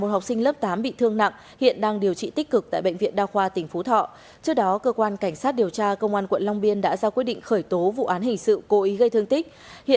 học sinh lớp một mươi một trung tâm giáo dục thường xuyên việt hưng để điều tra về hành vi cố ý gây thương tích